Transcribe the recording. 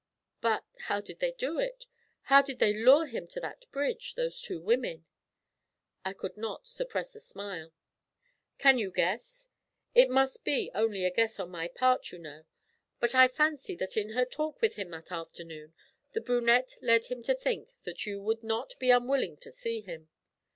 'But how did they do it? How did they lure him to that bridge those two women?' I could not suppress a smile. 'Can you not guess? It must be only a guess on my part, you know, but I fancy that in her talk with him that afternoon the brunette led him to think that you would not be unwilling to see him.